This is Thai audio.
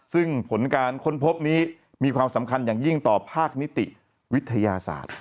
ซึ่งผลการค้นพบนี้มีความสำคัญอย่างยิ่งต่อภาคนิติวิทยาศาสตร์